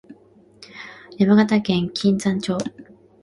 山形県金山町